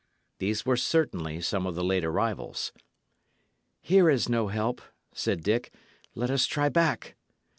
These were certainly some of the late arrivals. "Here is no help," said Dick. "Let us try back."